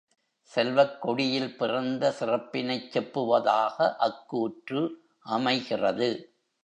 செல்வக் குடியில் பிறந்த சிறப்பினைச் செப்புவதாக அக் கூற்று அமைகிறது.